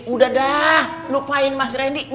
udah dah lupain mas randy